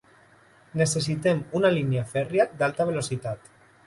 Necessitem una línia fèrria d'alta velocitat.